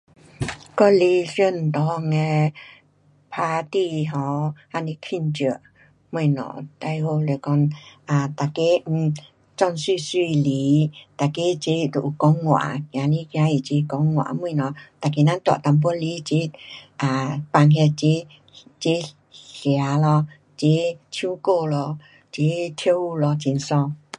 我理想内的 party[um] 还是庆祝东西，最好是讲啊每个 um 扮美美来，每个都有讲话。啊，走来走去齐讲话，东西每个人带一点来，齐啊放那齐齐吃咯，齐唱歌咯，齐跳舞咯，很爽。